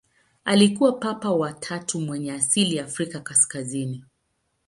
Alikuwa Papa wa tatu mwenye asili ya Afrika kaskazini.